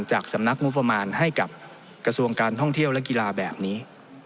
จากสำนักงบประมาณให้กับกระทรวงการท่องเที่ยวและกีฬาแบบนี้